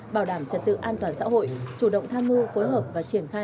bảo đảm trật tự an toàn xã hội chủ động tham mưu phối hợp và triển khai